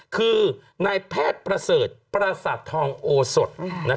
คือนายแพทย์ประเสริฐประสาททองโอสด